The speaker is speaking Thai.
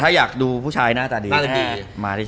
แต่ถ้าอยากดูผู้ชายหน้าจักดีก็มาที่ช่องดู